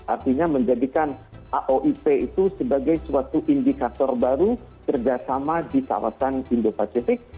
artinya menjadikan aoip itu sebagai suatu indikator baru kerjasama di kawasan indo pacific